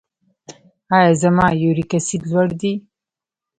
ایا زما یوریک اسید لوړ دی؟